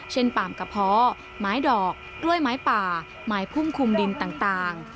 ปามกระเพาะไม้ดอกกล้วยไม้ป่าไม้พุ่มคุมดินต่าง